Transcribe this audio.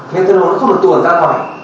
methanol nó không được tuồn ra ngoài